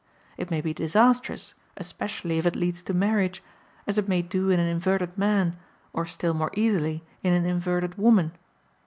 It may be disastrous, especially if it leads to marriage, as it may do in an inverted man or still more easily in an inverted woman.